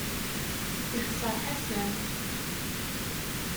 Ixser Ḥasan.